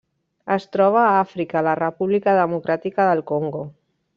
Es troba a Àfrica: la República Democràtica del Congo.